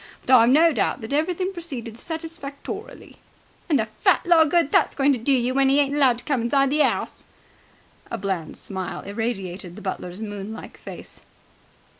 But I've no doubt that everything proceeded satisfactorily." "And a fat lot of good that's going to do you, when 'e ain't allowed to come inside the 'ouse!" A bland smile irradiated the butler's moon like face.